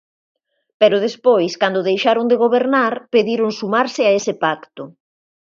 Pero despois, cando deixaron de gobernar, pediron sumarse a ese pacto.